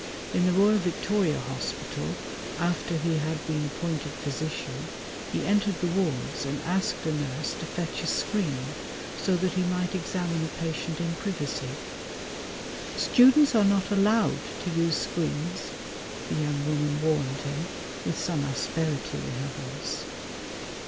In the Royal Victoria Hospital, after he had been appointed physician, he entered the wards and asked a nurse to fetch a screen so that he might examine a patient in privacy. "Students are not allowed to use screens," the young woman warned him with some asperity in her voice.